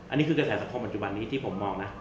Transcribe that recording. อันนี้คือกระแสสังคมปัจจุบันนี้ที่ผมมองนะ